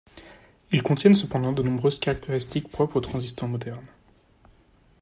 Ils contiennent cependant de nombreuses caractéristiques propres aux transistors modernes.